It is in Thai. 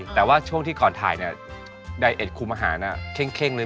แต่ว่าช่วงที่ก่อนถ่ายเนี่ยไดเอ็ดคุมอาหารเข้งเลย